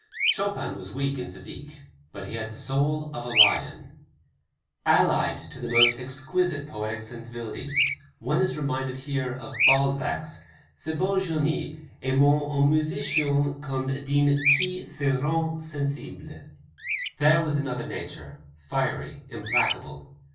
Chopin was weak in physique, but he had the soul of a lion. Allied to the most exquisite poetic sensibilities one is reminded here of Balzac's "Ce beau genie est moins un musicien qu'une dine qui se rend sensible" there was another nature, fiery, implacable.